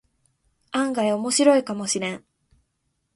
案外オモシロイかもしれん